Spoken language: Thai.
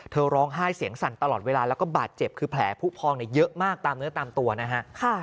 ร้องไห้เสียงสั่นตลอดเวลาแล้วก็บาดเจ็บคือแผลผู้พองเยอะมากตามเนื้อตามตัวนะฮะ